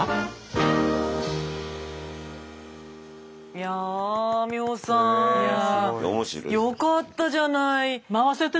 いや美穂さんよかったじゃない！